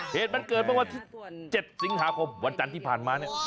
เหตุมันเกิดเมื่อวันที่๗สิงหาคมวันจันทร์ที่ผ่านมาเนี่ย